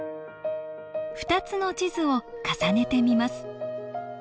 ２つの地図を重ねてみます。